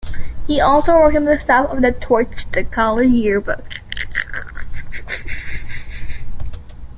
He also worked on the staff of the "Torch", the college yearbook.